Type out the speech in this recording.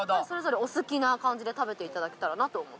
それぞれお好きな感じで食べていただけたらなと。